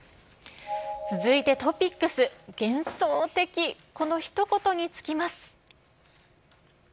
続いてトピックス、幻想的、このひと言に尽きます。